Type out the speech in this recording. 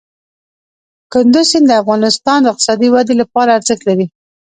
کندز سیند د افغانستان د اقتصادي ودې لپاره ارزښت لري.